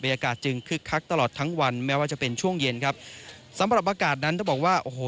ยากาศจึงคึกคักตลอดทั้งวันแม้ว่าจะเป็นช่วงเย็นครับสำหรับอากาศนั้นต้องบอกว่าโอ้โห